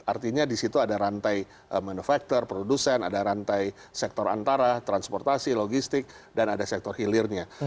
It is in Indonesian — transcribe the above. artinya di situ ada rantai manufaktur produsen ada rantai sektor antara transportasi logistik dan ada sektor hilirnya